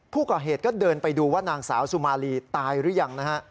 ผู้ก่อเหตุก็เดินไปดูว่านางสาวสุมาลีตายหรือยังนะฮะ